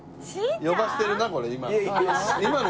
呼ばせてるなこれ今の。